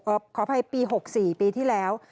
ขออภัยปี๖๔ปีที่แล้ว